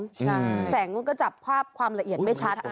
แสงมันก็จับภาพความละเอียดไม่ชัด